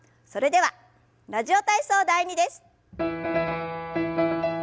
それでは「ラジオ体操第２」です。